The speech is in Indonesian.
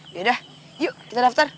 yaudah yuk kita daftar